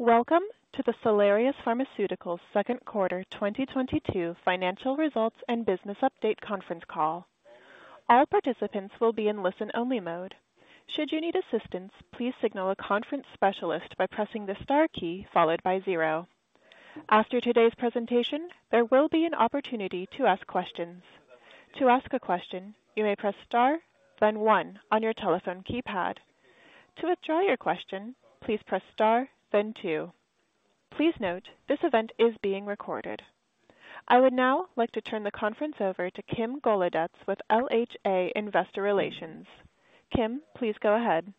Welcome to the Salarius Pharmaceuticals Second Quarter 2022 Financial Results and Business Update Conference Call. All participants will be in listen-only mode. Should you need assistance, please signal a conference specialist by pressing the star key followed by zero. After today's presentation, there will be an opportunity to ask questions. To ask a question, you may press star then one on your telephone keypad. To withdraw your question, please press star then two. Please note, this event is being recorded. I would now like to turn the conference over to Kim Golodetz with LHA Investor Relations. Kim, please go ahead.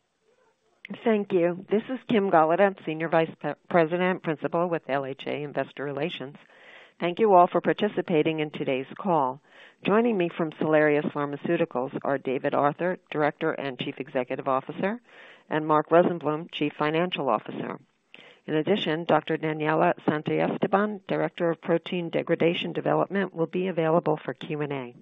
Thank you. This is Kim Golodetz, senior vice president, principal with LHA Investor Relations. Thank you all for participating in today's call. Joining me from Salarius Pharmaceuticals are David Arthur, Director and Chief Executive Officer, and Mark Rosenblum, Chief Financial Officer. In addition, Dr. Daniela Santiesteban, Director of Targeted Protein Degradation Development, will be available for Q&A.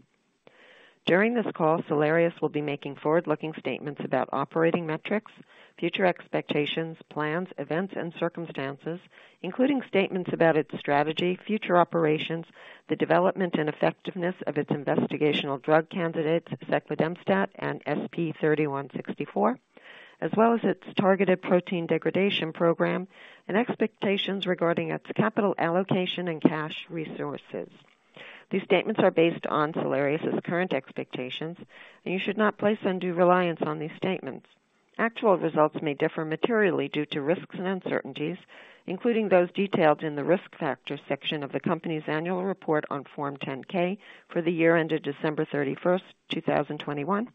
During this call, Salarius will be making forward-looking statements about operating metrics, future expectations, plans, events and circumstances, including statements about its strategy, future operations, the development and effectiveness of its investigational drug candidates, seclidemstat and SP-3164, as well as its targeted protein degradation program and expectations regarding its capital allocation and cash resources. These statements are based on Salarius's current expectations, and you should not place undue reliance on these statements. Actual results may differ materially due to risks and uncertainties, including those detailed in the Risk Factors section of the company's annual report on Form 10-K for the year ended December 31st 2021,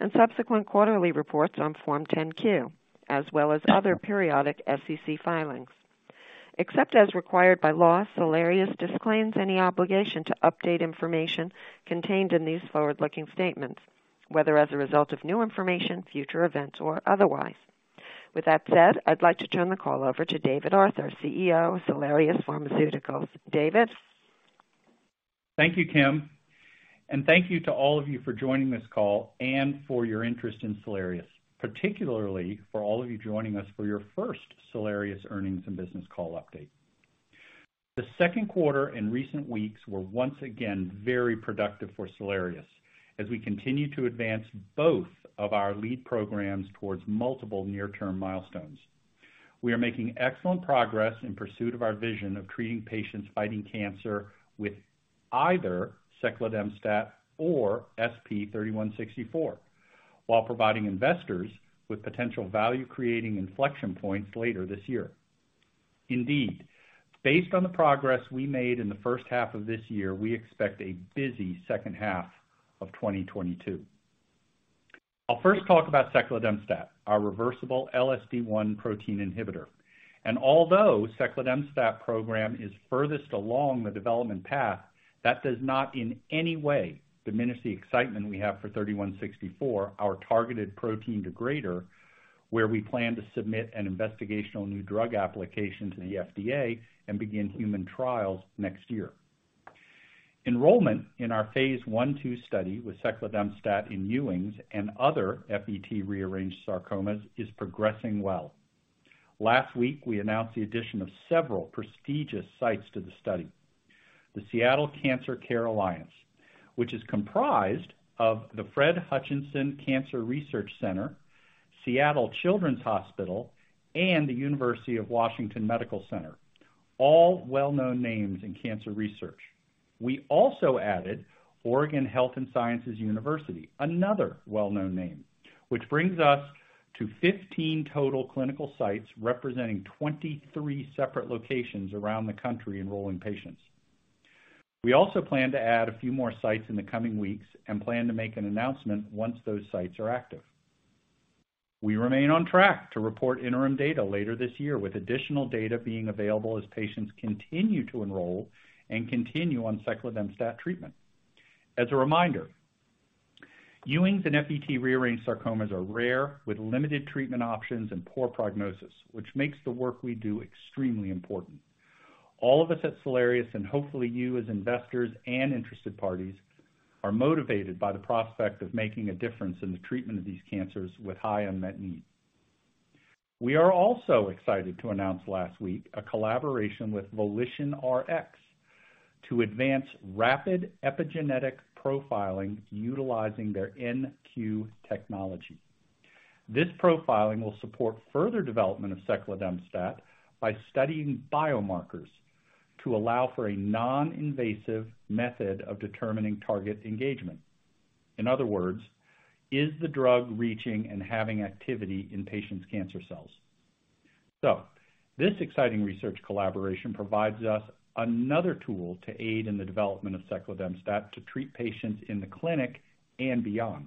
and subsequent quarterly reports on Form 10-Q, as well as other periodic SEC filings. Except as required by law, Salarius disclaims any obligation to update information contained in these forward-looking statements, whether as a result of new information, future events or otherwise. With that said, I'd like to turn the call over to David Arthur, CEO of Salarius Pharmaceuticals. David. Thank you, Kim, and thank you to all of you for joining this call and for your interest in Salarius, particularly for all of you joining us for your first Salarius earnings and business call update. The second quarter and recent weeks were once again very productive for Salarius as we continue to advance both of our lead programs towards multiple near-term milestones. We are making excellent progress in pursuit of our vision of treating patients fighting cancer with either seclidemstat or SP-3164 while providing investors with potential value-creating inflection points later this year. Indeed, based on the progress we made in the first half of this year, we expect a busy second half of 2022. I'll first talk about seclidemstat, our reversible LSD1 protein inhibitor. Although seclidemstat program is furthest along the development path, that does not in any way diminish the excitement we have for SP-3164, our targeted protein degrader, where we plan to submit an investigational new drug application to the FDA and begin human trials next year. Enrollment in our phase I-II study with seclidemstat in Ewing and other FET-rearranged sarcomas is progressing well. Last week, we announced the addition of several prestigious sites to the study. The Seattle Cancer Care Alliance, which is comprised of the Fred Hutchinson Cancer Research Center, Seattle Children's Hospital, and the University of Washington Medical Center, all well-known names in cancer research. We also added Oregon Health & Science University, another well-known name, which brings us to 15 total clinical sites representing 23 separate locations around the country enrolling patients. We also plan to add a few more sites in the coming weeks and plan to make an announcement once those sites are active. We remain on track to report interim data later this year, with additional data being available as patients continue to enroll and continue on seclidemstat treatment. As a reminder, Ewing and FET-rearranged sarcomas are rare, with limited treatment options and poor prognosis, which makes the work we do extremely important. All of us at Salarius, and hopefully you as investors and interested parties, are motivated by the prospect of making a difference in the treatment of these cancers with high unmet need. We are also excited to announce last week a collaboration with VolitionRx to advance rapid epigenetic profiling utilizing their Nu.Q technology. This profiling will support further development of seclidemstat by studying biomarkers to allow for a non-invasive method of determining target engagement. In other words, is the drug reaching and having activity in patients' cancer cells? This exciting research collaboration provides us another tool to aid in the development of seclidemstat to treat patients in the clinic and beyond.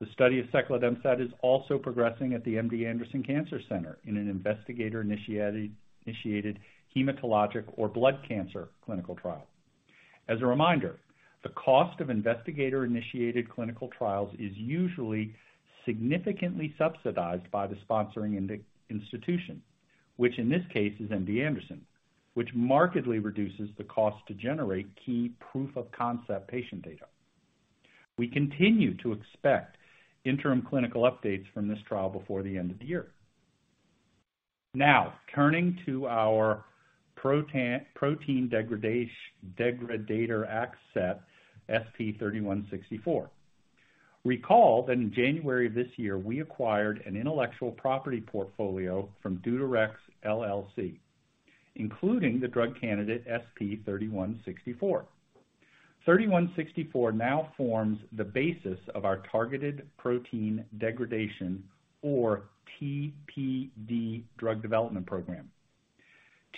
The study of seclidemstat is also progressing at the MD Anderson Cancer Center in an investigator-initiated hematologic or blood cancer clinical trial. As a reminder, the cost of investigator-initiated clinical trials is usually significantly subsidized by the sponsoring institution, which in this case is MD Anderson, which markedly reduces the cost to generate key proof of concept patient data. We continue to expect interim clinical updates from this trial before the end of the year. Now, turning to our protein degrader asset, SP-3164. Recall that in January of this year, we acquired an intellectual property portfolio from DeuteRx, LLC, including the drug candidate SP-3164. SP-3164 now forms the basis of our targeted protein degradation or TPD drug development program.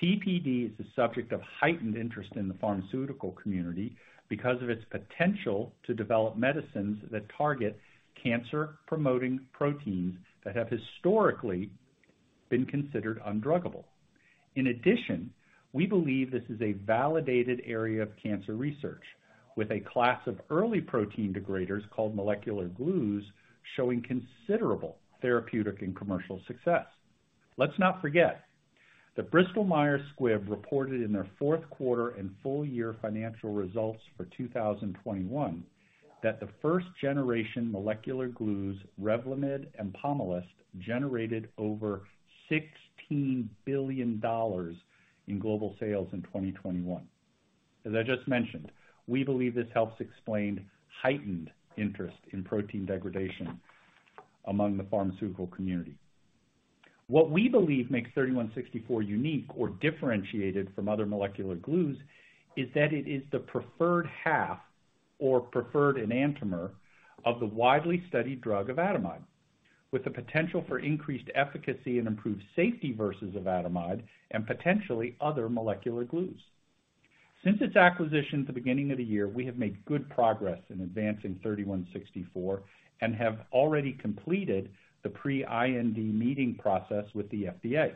TPD is the subject of heightened interest in the pharmaceutical community because of its potential to develop medicines that target cancer-promoting proteins that have historically been considered undruggable. In addition, we believe this is a validated area of cancer research, with a class of early protein degraders called molecular glues showing considerable therapeutic and commercial success. Let's not forget that Bristol-Myers Squibb reported in their fourth quarter and full year financial results for 2021 that the first generation molecular glues, Revlimid and Pomalyst, generated over $16 billion in global sales in 2021. As I just mentioned, we believe this helps explain heightened interest in protein degradation among the pharmaceutical community. What we believe makes SP-3164 unique or differentiated from other molecular glues is that it is the preferred half or preferred enantiomer of the widely studied drug avadomide, with the potential for increased efficacy and improved safety versus avadomide and potentially other molecular glues. Since its acquisition at the beginning of the year, we have made good progress in advancing SP-3164 and have already completed the pre-IND meeting process with the FDA.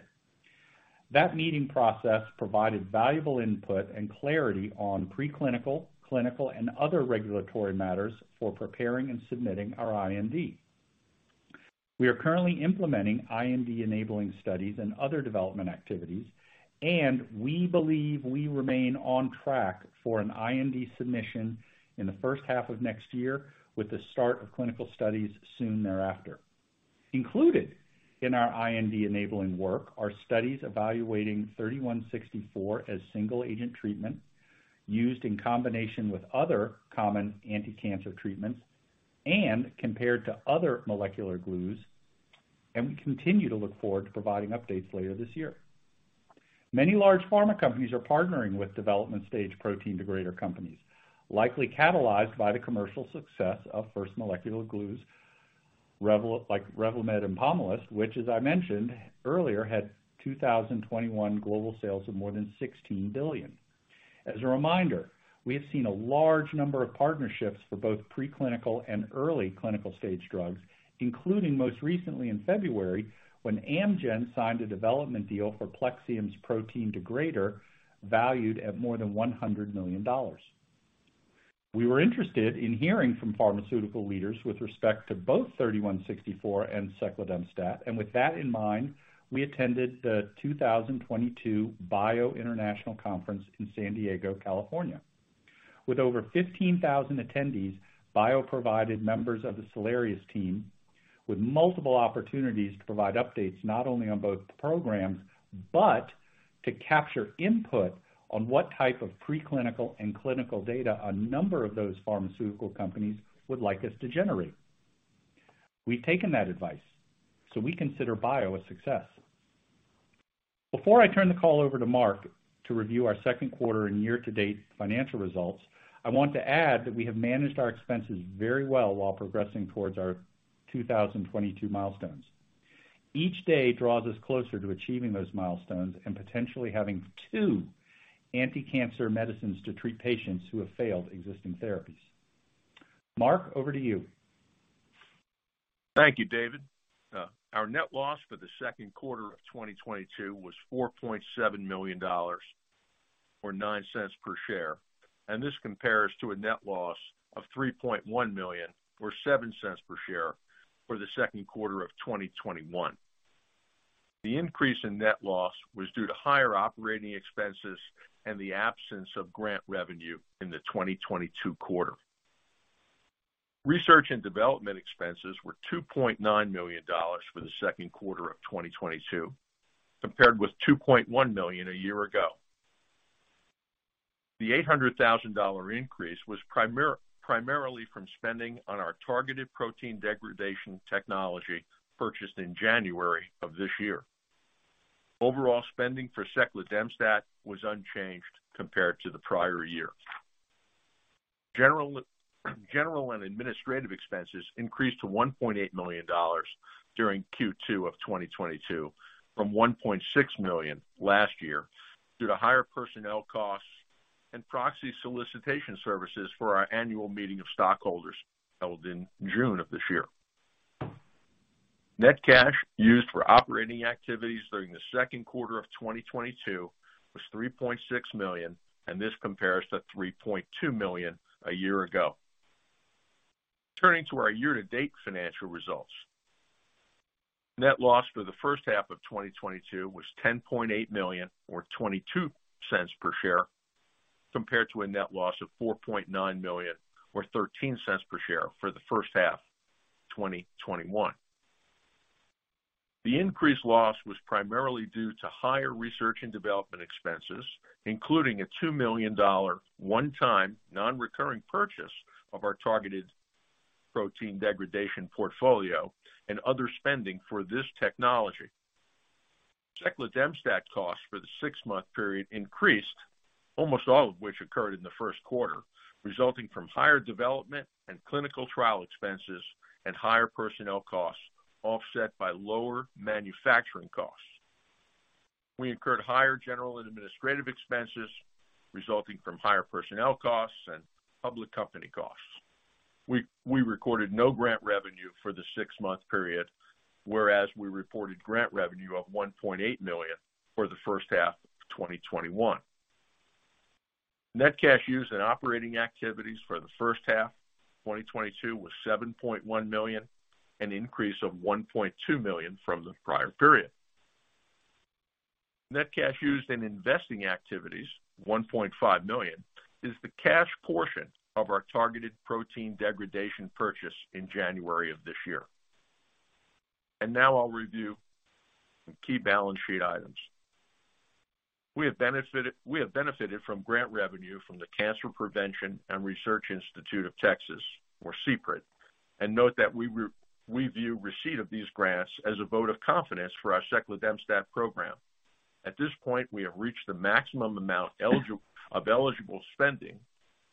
That meeting process provided valuable input and clarity on preclinical, clinical, and other regulatory matters for preparing and submitting our IND. We are currently implementing IND enabling studies and other development activities, and we believe we remain on track for an IND submission in the first half of next year, with the start of clinical studies soon thereafter. Included in our IND enabling work are studies evaluating SP-3164 as single agent treatment used in combination with other common anticancer treatments and compared to other molecular glues, and we continue to look forward to providing updates later this year. Many large pharma companies are partnering with development stage protein degrader companies, likely catalyzed by the commercial success of first molecular glues, Revlimid and Pomalyst, which as I mentioned earlier, had 2021 global sales of more than $16 billion. As a reminder, we have seen a large number of partnerships for both preclinical and early clinical stage drugs, including most recently in February, when Amgen signed a development deal for Plexium's protein degrader, valued at more than $100 million. We were interested in hearing from pharmaceutical leaders with respect to both SP-3164 and seclidemstat. With that in mind, we attended the 2022 BIO International Convention in San Diego, California. With over 15,000 attendees, BIO provided members of the Salarius team with multiple opportunities to provide updates not only on both programs, but to capture input on what type of preclinical and clinical data a number of those pharmaceutical companies would like us to generate. We've taken that advice, so we consider BIO a success. Before I turn the call over to Mark to review our second quarter and year-to-date financial results, I want to add that we have managed our expenses very well while progressing towards our 2022 milestones. Each day draws us closer to achieving those milestones and potentially having two anticancer medicines to treat patients who have failed existing therapies. Mark, over to you. Thank you, David. Our net loss for the second quarter of 2022 was $4.7 million or $0.09 per share, and this compares to a net loss of $3.1 million or $0.07 per share for the second quarter of 2021. The increase in net loss was due to higher operating expenses and the absence of grant revenue in the 2022 quarter. Research and development expenses were $2.9 million for the second quarter of 2022, compared with $2.1 million a year ago. The $800,000 increase was primarily from spending on our targeted protein degradation technology purchased in January of this year. Overall spending for seclidemstat was unchanged compared to the prior year. General and administrative expenses increased to $1.8 million during Q2 of 2022 from $1.6 million last year, due to higher personnel costs and proxy solicitation services for our annual meeting of stockholders held in June of this year. Net cash used for operating activities during the second quarter of 2022 was $3.6 million, and this compares to $3.2 million a year ago. Turning to our year-to-date financial results. Net loss for the first half of 2022 was $10.8 million or $0.22 per share, compared to a net loss of $4.9 million or $0.13 per share for the first half of 2021. The increased loss was primarily due to higher research and development expenses, including a $2 million one-time non-recurring purchase of our targeted protein degradation portfolio and other spending for this technology. Seclidemstat costs for the six-month period increased, almost all of which occurred in the first quarter, resulting from higher development and clinical trial expenses and higher personnel costs, offset by lower manufacturing costs. We incurred higher general and administrative expenses resulting from higher personnel costs and public company costs. We recorded no grant revenue for the six-month period, whereas we reported grant revenue of $1.8 million for the first half of 2021. Net cash used in operating activities for the first half of 2022 was $7.1 million, an increase of $1.2 million from the prior period. Net cash used in investing activities, $1.5 million, is the cash portion of our targeted protein degradation purchase in January of this year. Now I'll review the key balance sheet items. We have benefited from grant revenue from the Cancer Prevention and Research Institute of Texas, or CPRIT, and note that we view receipt of these grants as a vote of confidence for our seclidemstat program. At this point, we have reached the maximum amount of eligible spending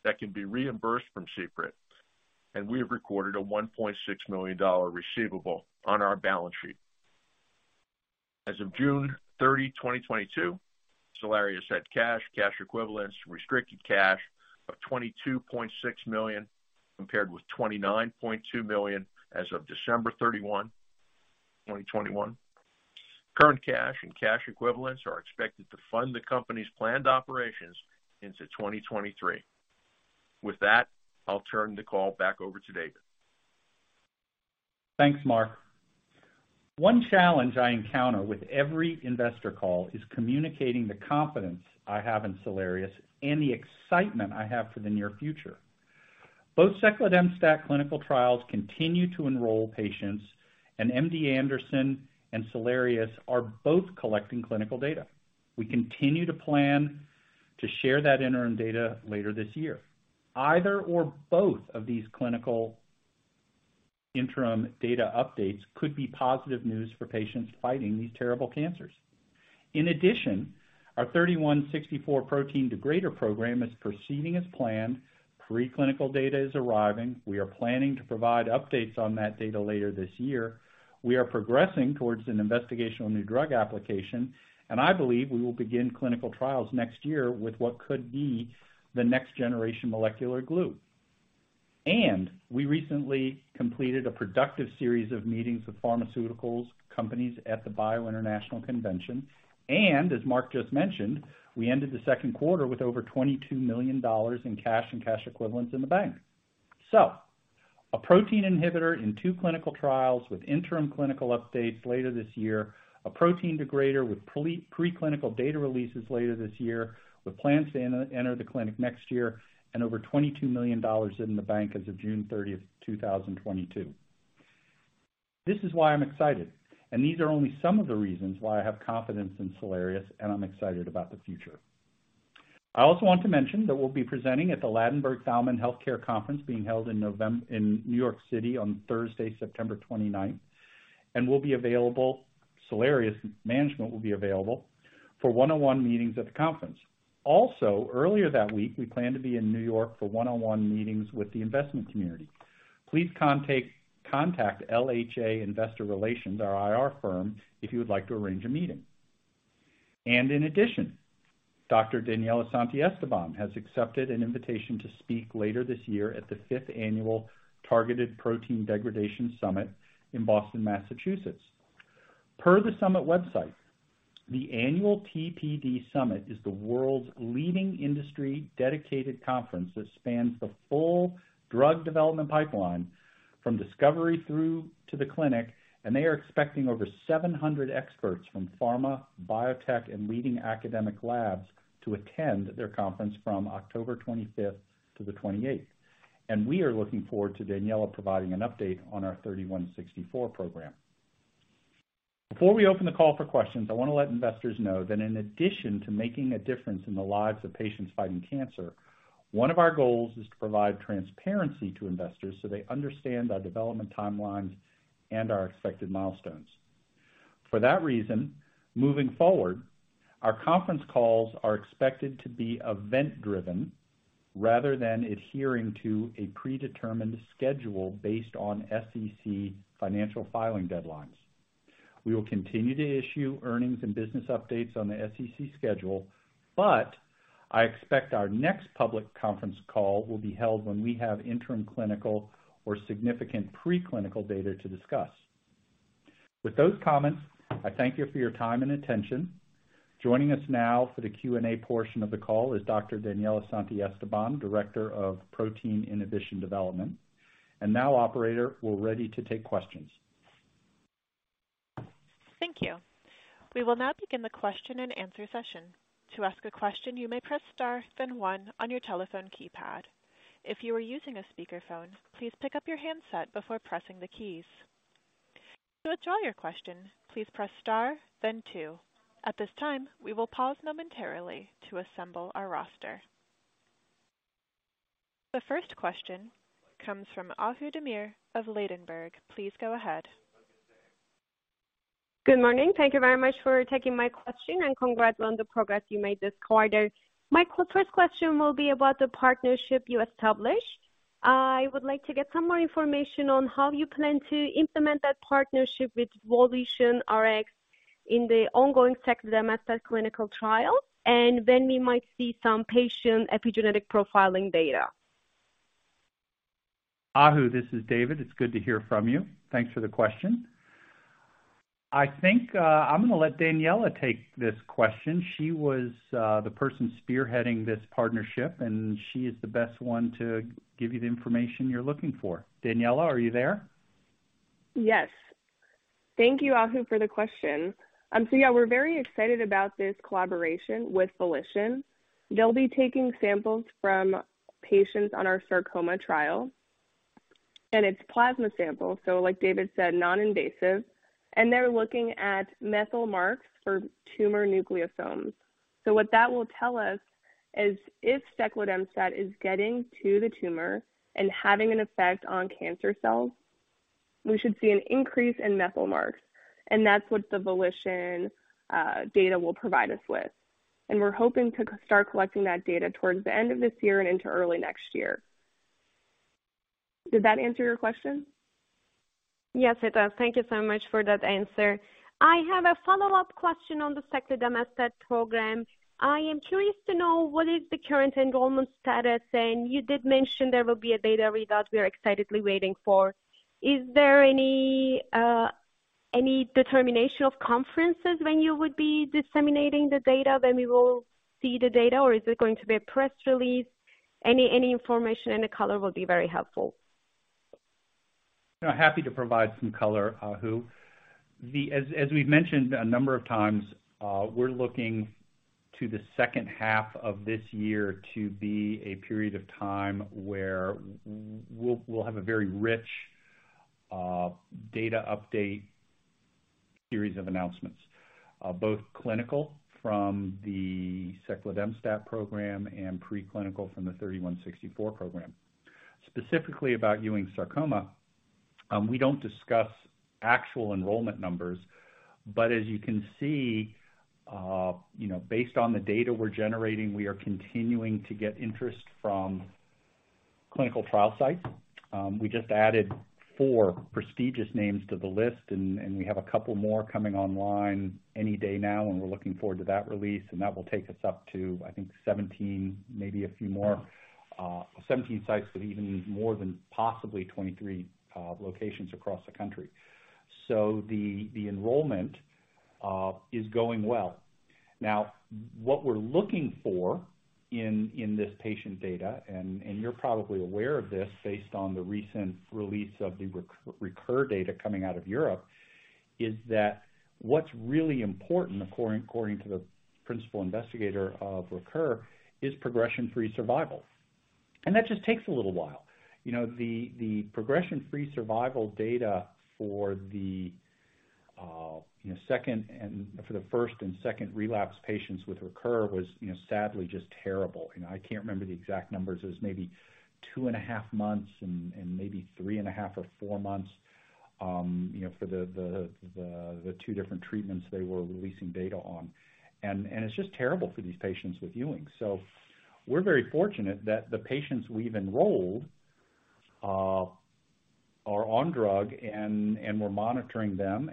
that can be reimbursed from CPRIT, and we have recorded a $1.6 million receivable on our balance sheet. As of June 30, 2022, Salarius had cash equivalents, restricted cash of $22.6 million, compared with $29.2 million as of December 31, 2021. Current cash and cash equivalents are expected to fund the company's planned operations into 2023. With that, I'll turn the call back over to David. Thanks, Mark. One challenge I encounter with every investor call is communicating the confidence I have in Salarius and the excitement I have for the near future. Both seclidemstat clinical trials continue to enroll patients, and MD Anderson and Salarius are both collecting clinical data. We continue to plan to share that interim data later this year. Either or both of these clinical interim data updates could be positive news for patients fighting these terrible cancers. In addition, our SP-3164 protein degrader program is proceeding as planned. Preclinical data is arriving. We are planning to provide updates on that data later this year. We are progressing towards an investigational new drug application, and I believe we will begin clinical trials next year with what could be the next generation molecular glue. We recently completed a productive series of meetings with pharmaceutical companies at the BIO International Convention. As Mark just mentioned, we ended the second quarter with over $22 million in cash and cash equivalents in the bank. A protein inhibitor in two clinical trials with interim clinical updates later this year, a protein degrader with preclinical data releases later this year, with plans to enter the clinic next year, and over $22 million in the bank as of June 13th 2022. This is why I'm excited, and these are only some of the reasons why I have confidence in Salarius and I'm excited about the future. I also want to mention that we'll be presenting at the Ladenburg Thalmann Healthcare Conference being held in New York City on Thursday, September 29th, and we'll be available. Salarius management will be available for one-on-one meetings at the conference. Also, earlier that week, we plan to be in New York for one-on-one meetings with the investment community. Please contact LHA Investor Relations, our IR firm, if you would like to arrange a meeting. In addition, Dr. Daniela Santiesteban has accepted an invitation to speak later this year at the 5th Annual Targeted Protein Degradation Summit in Boston, Massachusetts. Per the summit website, the annual TPD Summit is the world's leading industry-dedicated conference that spans the full drug development pipeline from discovery through to the clinic, and they are expecting over 700 experts from pharma, biotech, and leading academic labs to attend their conference from October 25th to the 28th. We are looking forward to Daniela providing an update on our SP-3164 program. Before we open the call for questions, I wanna let investors know that in addition to making a difference in the lives of patients fighting cancer, one of our goals is to provide transparency to investors so they understand our development timelines and our expected milestones. For that reason, moving forward, our conference calls are expected to be event driven rather than adhering to a predetermined schedule based on SEC financial filing deadlines. We will continue to issue earnings and business updates on the SEC schedule, but I expect our next public conference call will be held when we have interim clinical or significant preclinical data to discuss. With those comments, I thank you for your time and attention. Joining us now for the Q&A portion of the call is Dr. Daniela Santiesteban, Director of Targeted Protein Degradation Development. Now operator, we're ready to take questions. Thank you. We will now begin the question and answer session. To ask a question, you may press star, then one on your telephone keypad. If you are using a speakerphone, please pick up your handset before pressing the keys. To withdraw your question, please press star then two. At this time, we will pause momentarily to assemble our roster. The first question comes from Ahu Demir of Ladenburg Thalmann. Please go ahead. Good morning. Thank you very much for taking my question and congrats on the progress you made this quarter. My first question will be about the partnership you established. I would like to get some more information on how you plan to implement that partnership with VolitionRx in the ongoing seclidemstat clinical trial, and when we might see some patient epigenetic profiling data. Ahu, this is David. It's good to hear from you. Thanks for the question. I think, I'm gonna let Daniela take this question. She was the person spearheading this partnership, and she is the best one to give you the information you're looking for. Daniela, are you there? Yes. Thank you, Ahu, for the question. Yeah, we're very excited about this collaboration with Volition. They'll be taking samples from patients on our sarcoma trial, and it's plasma samples, so like David said, non-invasive, and they're looking at methylation marks for tumor nucleosomes. What that will tell us is if seclidemstat is getting to the tumor and having an effect on cancer cells, we should see an increase in methylation marks, and that's what the Volition data will provide us with. We're hoping to start collecting that data towards the end of this year and into early next year. Did that answer your question? Yes, it does. Thank you so much for that answer. I have a follow-up question on the seclidemstat program. I am curious to know what is the current enrollment status. You did mention there will be a data readout we are excitedly waiting for. Is there any determination of conferences when you would be disseminating the data, then we will see the data, or is it going to be a press release? Any information and the color will be very helpful. Happy to provide some color, Ahu. As we've mentioned a number of times, we're looking to the second half of this year to be a period of time where we'll have a very rich data update series of announcements, both clinical from the seclidemstat program and pre-clinical from the SP-3164 program. Specifically about Ewing sarcoma, we don't discuss actual enrollment numbers, but as you can see, you know, based on the data we're generating, we are continuing to get interest from clinical trial sites. We just added 4 prestigious names to the list and we have a couple more coming online any day now, and we're looking forward to that release. That will take us up to, I think 17, maybe a few more, 17 sites with even more than possibly 23 locations across the country. The enrollment is going well. Now, what we're looking for in this patient data, and you're probably aware of this based on the recent release of the rEECur data coming out of Europe, is that what's really important, according to the principal investigator of rEECur, is progression-free survival. That just takes a little while. You know, the progression-free survival data for the second and for the first and second relapse patients with rEECur was, you know, sadly just terrible. You know, I can't remember the exact numbers. It was maybe two and a half months and maybe three and a half or four months, you know, for the two different treatments they were releasing data on. It's just terrible for these patients with Ewing. We're very fortunate that the patients we've enrolled are on drug and we're monitoring them.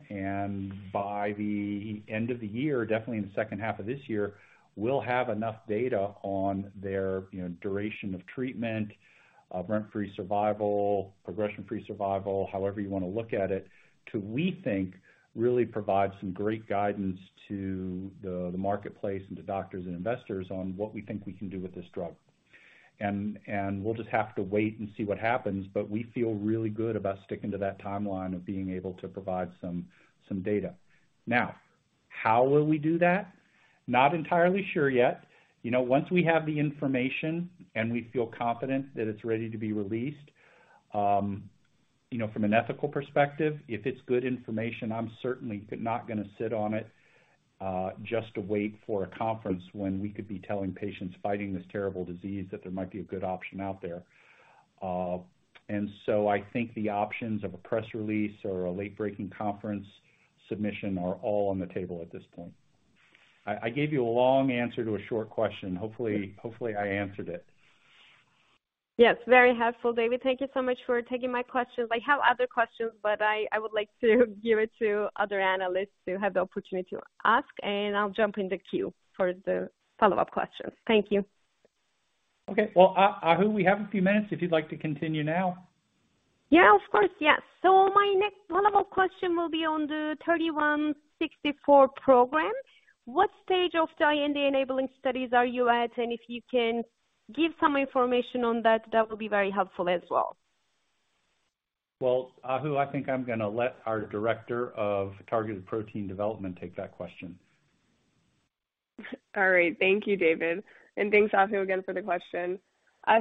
By the end of the year, definitely in the second half of this year, we'll have enough data on their, you know, duration of treatment, event-free survival, progression-free survival, however you wanna look at it, to we think really provide some great guidance to the marketplace and the doctors and investors on what we think we can do with this drug. We'll just have to wait and see what happens, but we feel really good about sticking to that timeline of being able to provide some data. Now, how will we do that? Not entirely sure yet. You know, once we have the information and we feel confident that it's ready to be released, you know, from an ethical perspective, if it's good information, I'm certainly not gonna sit on it, just to wait for a conference when we could be telling patients fighting this terrible disease that there might be a good option out there. I think the options of a press release or a late-breaking conference submission are all on the table at this point. I gave you a long answer to a short question. Hopefully, I answered it. Yes, very helpful, David. Thank you so much for taking my questions. I have other questions, but I would like to give it to other analysts to have the opportunity to ask, and I'll jump in the queue for the follow-up questions. Thank you. Okay. Well, Ahu, we have a few minutes if you'd like to continue now. Yeah, of course. Yeah. My next follow-up question will be on the SP-3164 program. What stage of the IND enabling studies are you at? And if you can give some information on that will be very helpful as well. Well, Ahu, I think I'm gonna let our Director of Targeted Protein Degradation Development take that question. All right. Thank you, David. Thanks Ahu again for the question.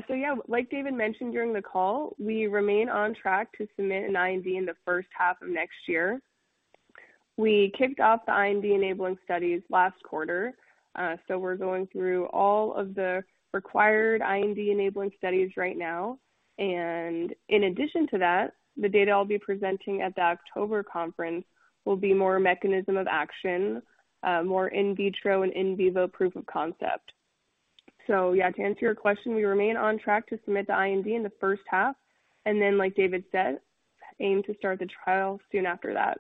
Yeah, like David mentioned during the call, we remain on track to submit an IND in the first half of next year. We kicked off the IND enabling studies last quarter, so we're going through all of the required IND enabling studies right now. In addition to that, the data I'll be presenting at the October conference will be more mechanism of action, more in vitro and in vivo proof of concept. Yeah, to answer your question, we remain on track to submit the IND in the first half, and then like David said, aim to start the trial soon after that.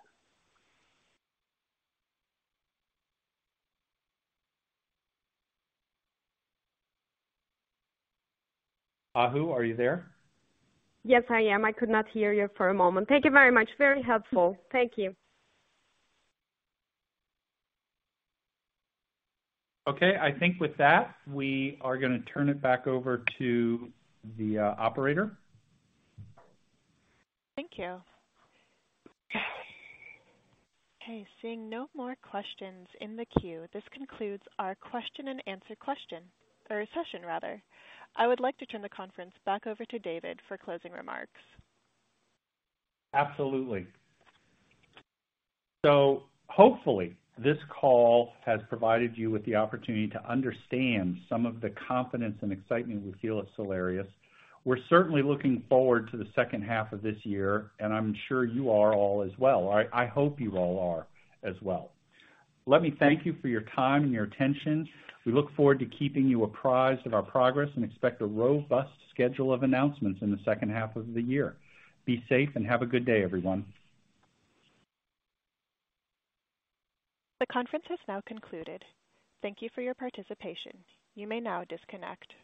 Ahu, are you there? Yes, I am. I could not hear you for a moment. Thank you very much. Very helpful. Thank you. Okay. I think with that, we are gonna turn it back over to the operator. Thank you. Okay, seeing no more questions in the queue, this concludes our question and answer session rather. I would like to turn the conference back over to David for closing remarks. Absolutely. Hopefully this call has provided you with the opportunity to understand some of the confidence and excitement we feel at Salarius. We're certainly looking forward to the second half of this year, and I'm sure you are all as well. I hope you all are as well. Let me thank you for your time and your attention. We look forward to keeping you apprised of our progress and expect a robust schedule of announcements in the second half of the year. Be safe and have a good day, everyone. The conference has now concluded. Thank you for your participation. You may now disconnect.